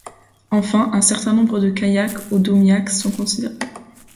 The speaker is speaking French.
Enfin, un certain nombre de kayaks ou d'umiaks sont conservés.